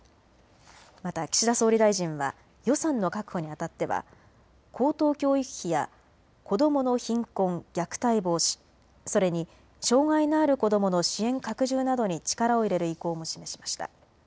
また岸田総理大臣は予算の確保にあたっては高等教育費や子どもの貧困・虐待防止、それに障害のある子どもの支援拡充などに力を入れる意向も示しました。